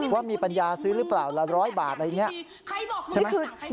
ว่ามีปัญญาซื้อหรือเปล่าละ๑๐๐บาทอะไรอย่างนี้ใช่ไหม